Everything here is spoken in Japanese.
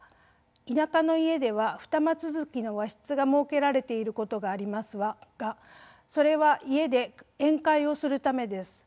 田舎の家では二間続きの和室が設けられていることがありますがそれは家で宴会をするためです。